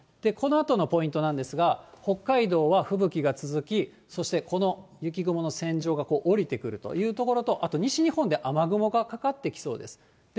このあとのポイントなんですが、北海道は吹雪が続き、そしてこの雪雲の線状が下りてくるというところと、あと西日本で雨雲がかかってきそうです。